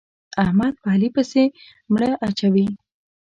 احمد په علي پسې مړه اچوي.